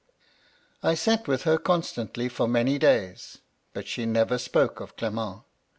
" I sat with her constantly for many days ; but she never spoke of Clement.